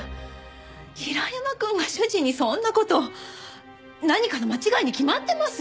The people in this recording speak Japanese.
平山くんが主人にそんな事何かの間違いに決まってます！